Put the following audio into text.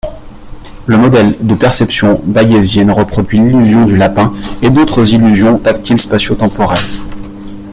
Le modèle de perception bayésienne reproduit l'illusion du lapin et d'autres illusions tactiles spatio-temporelle.